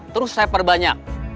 terus saya perbanyak